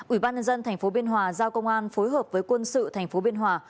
ủy ban nhân dân tp biên hòa giao công an phối hợp với quân sự tp biên hòa